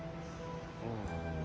うん。